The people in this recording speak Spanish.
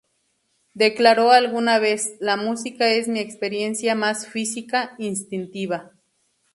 Declaró alguna vez: "La música es mi experiencia más física, instintiva.